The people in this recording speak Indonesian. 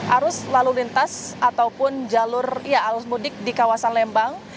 arus lalu lintas ataupun jalur arus mudik di kawasan lembang